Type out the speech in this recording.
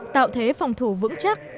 tạo thế phòng thủ vững chắc